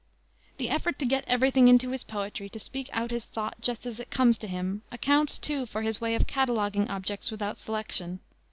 The effort to get every thing into his poetry, to speak out his thought just as it comes to him, accounts, too, for his way of cataloguing objects without selection.